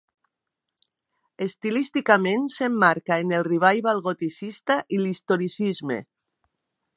Estilísticament s'emmarca en el revival goticista i l'historicisme.